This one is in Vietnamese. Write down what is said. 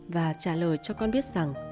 và trả lời cho con biết rằng